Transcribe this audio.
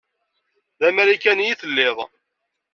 D amarikani i telliḍ.